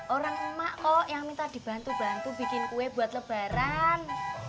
orang emak kok yang minta dibantu bantu bikin kue buat lebaran